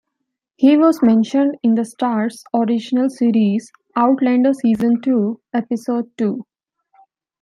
He was mentioned in the Starz original series, Outlander season two, episode two.